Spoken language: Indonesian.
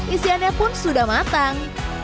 isiannya pun sudah matang